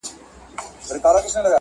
چي د وخت له تاریکیو را بهر سي,